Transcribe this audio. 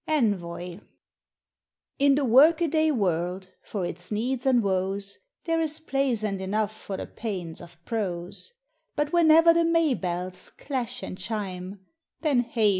ENVOY In the work a day world, for its needs and \v< There is place and enough for the pains of prose ; But whenever the May hells clash and chime, Then hey